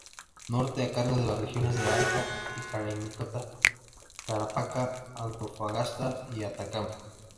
Norte: a cargo de las regiones de Arica y Parinacota, Tarapacá, Antofagasta y Atacama.